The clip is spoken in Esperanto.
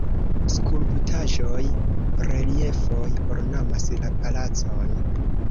Skulptaĵoj, reliefoj ornamas la palacon.